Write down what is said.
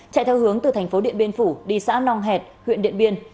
chạy theo hướng từ thành phố điện biên phủ đi xã nong hẹt huyện điện biên